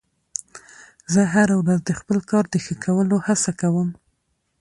زه هره ورځ د خپل کار د ښه کولو هڅه کوم